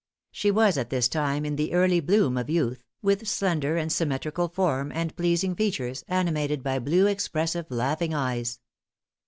She was at this time in the early bloom of youth, with slender and symmetrical form and pleasing features, animated by blue, expressive, laughing eyes.